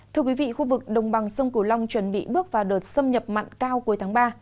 thưa quý vị khu vực đồng bằng sông cửu long chuẩn bị bước vào đợt xâm nhập mặn cao cuối tháng ba